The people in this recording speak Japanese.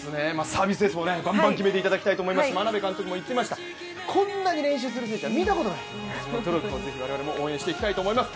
サービスエースもばんばん決めていただきたいと思いますし眞鍋監督も言っていました、こんなに練習する選手は見たことない、その努力を我々は応援していきたいと思います。